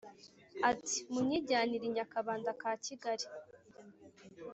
Ati: “Munyijyanire i Nyakabanda ka Kigali